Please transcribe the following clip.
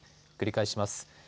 繰り返します。